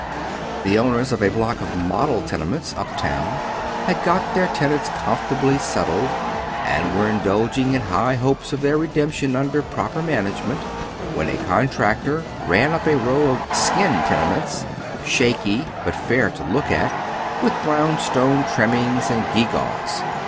The owners of a block of model tenements up town had got their tenants comfortably settled, and were indulging in high hopes of their redemption under proper management, when a contractor ran np a row of " skin " tenements, shaky bnt fair to look at, witli brown stone trimmings and gewgaws.